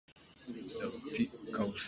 Dawtku cu iang a ngei.